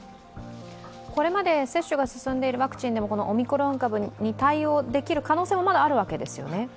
これまで接種が進んでいるワクチンでもオミクロン株に対応できる可能性はまだあるわけですよね？